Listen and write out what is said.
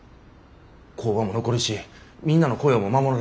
工場も残るしみんなの雇用も守られる。